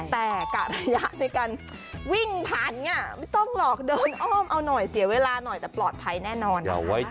แต่กะระยะในการวิ่งพันไม่ต้องหรอกเดินโอ้มเสียเวลาน้อยจะปลอดภัยแน่นอน